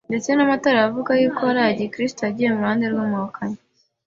Ndetse n’amatorero avuga yuko ari aya gikristo yagiye mu ruhande rw’umuhakanyi